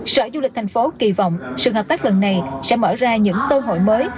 sở du lịch tp hcm kỳ vọng sự hợp tác lần này sẽ mở ra những tôn hội mới